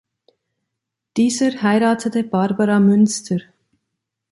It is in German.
Dieser heiratete Barbara Münster.